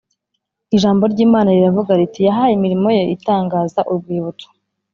ijambo ry’imana riravuga riti, “yahaye imirimo ye itangaza urwibutso